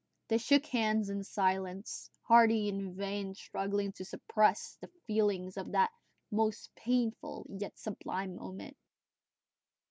They shook hands in silence, Hardy in vain struggling to suppress the feelings of that most painful and yet sublime moment.